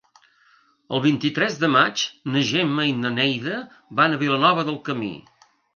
El vint-i-tres de maig na Gemma i na Neida van a Vilanova del Camí.